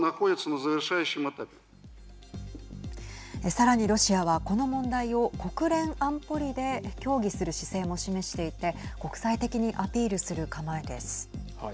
さらにロシアは、この問題を国連安保理で協議する姿勢も示していて国際的にアピールする構えです。